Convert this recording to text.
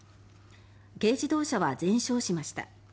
軽自動車は全焼しました。